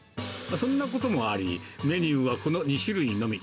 そんなこともあり、メニューはこの２種類のみ。